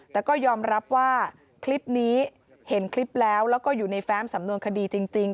แต่ก็ยอมรับว่าคลิปนี้เห็นคลิปแล้วแล้วก็อยู่ในแฟ้มสำนวนคดีจริง